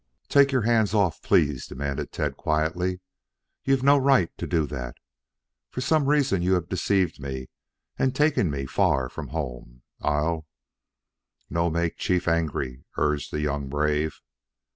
"Take your hands off, please," demanded Tad quietly. "You've no right to do that. For some reason you have deceived me and taken me far from home. I'll " "No make chief angry," urged the young brave.